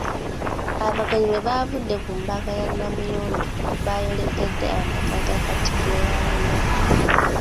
Abagenyi bwe baavudde ku mbuga ya Namuyonjo baayolekedde amaka ga Katikkiro w'Abanyala.